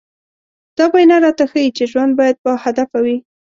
دا وينا راته ښيي چې ژوند بايد باهدفه وي.